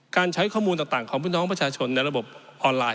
ใช้ข้อมูลต่างของพี่น้องประชาชนในระบบออนไลน์